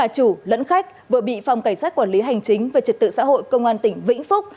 vừa bị phòng cảnh sát quản lý hành chính và trật tự xã hội công an tỉnh vĩnh phúc